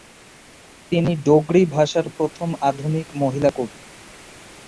তিনি ডোগরি ভাষার প্রথম আধুনিক মহিলা কবি।